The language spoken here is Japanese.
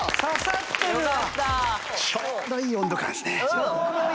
ちょうどいい温度感です。